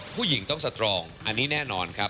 ผู้หญิงต้องสตรองอันนี้แน่นอนครับ